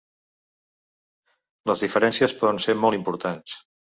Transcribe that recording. Les diferències poden ser molt importants.